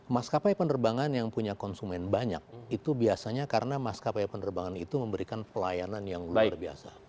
maskapai penerbangan yang punya konsumen banyak itu biasanya karena maskapai penerbangan itu memberikan pelayanan yang luar biasa